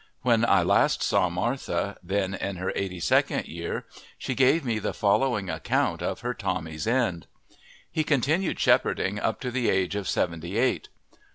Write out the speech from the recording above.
When I last saw Martha, then in her eighty second year, she gave me the following account of her Tommy's end. He continued shepherding up to the age of seventy eight.